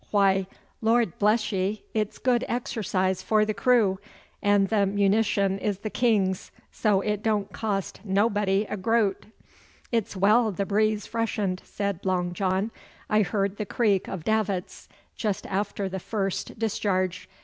'Why, Lor' bless ye, it's good exercise for the crew, and the 'munition is the King's, so it don't cost nobody a groat.' 'It's well the breeze freshened,' said Long John. 'I heard the creak o' davits just after the first discharge.